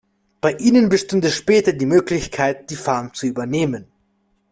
Bei ihnen bestünde später die Möglichkeit, die Farm zu übernehmen.